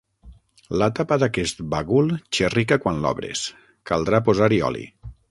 La tapa d'aquest bagul xerrica quan l'obres: caldrà posar-hi oli.